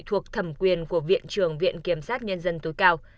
thuộc thẩm quyền của viện trưởng viện kiểm sát nhân dân tối cao